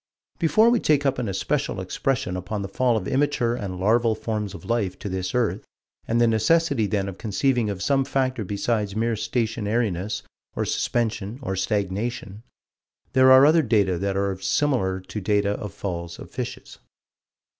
Before we take up an especial expression upon the fall of immature and larval forms of life to this earth, and the necessity then of conceiving of some factor besides mere stationariness or suspension or stagnation, there are other data that are similar to data of falls of fishes.